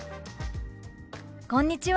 「こんにちは。